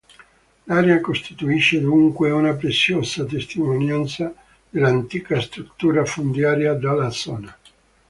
L'area costituisce dunque una preziosa testimonianza dell'antica struttura fondiaria della zona.